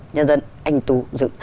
nhân dân anh tú dự